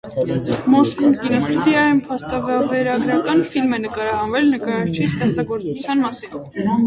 «Մոսֆիլմ» կինոստուդիայում փաստավավերագրական ֆիլմ է նկարահանվել նկարչի ստեղծագործության մասին։